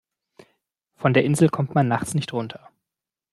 Von der Insel kommt man nachts nicht runter.